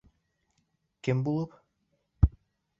Кем булып?